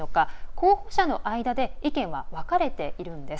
候補者の間で意見は分かれているんです。